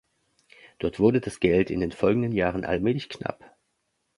Dort wurde das Geld in den folgenden Jahren allmählich knapp.